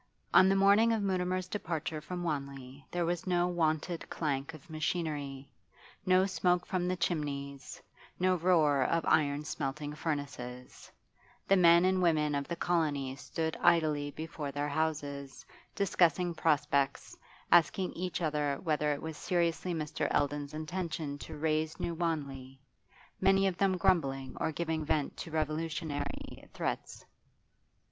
On the morning of Mutimer's departure from Wanley there was no wonted clank of machinery, no smoke from the chimneys, no roar of iron smelting furnaces; the men and women of the colony stood idly before their houses, discussing prospects, asking each other whether it was seriously Mr. Eldon's intention to raze New Wanley, many of them grumbling or giving vent to revolutionary threats.